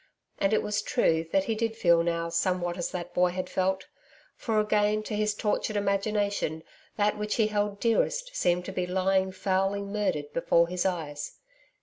And it was true that he did feel now somewhat as that boy had felt, for again to his tortured imagination that which he held dearest seemed to be lying foully murdered before his eyes.